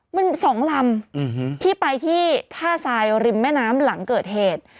มันสองลำที่ไปที่ท่าทรายริมแม่น้ำหลังเกิดเหตุ